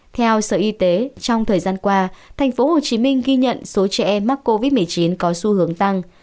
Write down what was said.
theo sở y tế trong thời gian qua tp hcm ghi nhận số trẻ em mắc covid một mươi chín có xu hướng tăng